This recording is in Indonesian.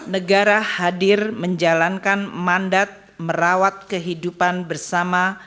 negara hadir menjalankan mandat merawat kehidupan bersama